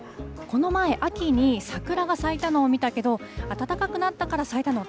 この前、秋に桜が咲いたのを見たけど、暖かくなったから咲いたの？